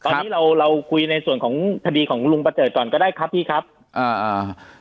ตอนนี้เราเราคุยในส่วนของคดีของลุงประเดิดก่อนก็ได้ครับพี่ครับอ่าอ่า